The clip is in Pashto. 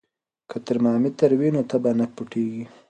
که ترمامیتر وي نو تبه نه پټیږي.